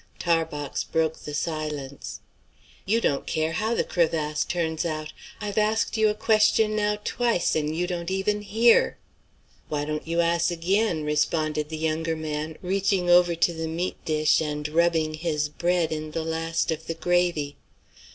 Tarbox broke the silence. "You don't care how the crevasse turns out. I've asked you a question now twice, and you don't even hear." "Why you don't ass ag'in?" responded the younger man, reaching over to the meat dish and rubbing his bread in the last of the gravy.